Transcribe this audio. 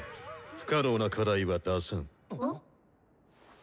不可能な課題は出さん。